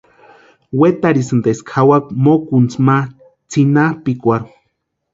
Wetarhesínti eska jawaka mokuntsi ma tsʼinapʼikwarhu.